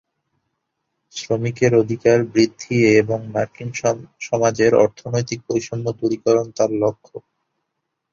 শ্রমিকের অধিকার বৃদ্ধি এবং মার্কিন সমাজের অর্থনৈতিক বৈষম্য দূরীকরণ তার লক্ষ্য।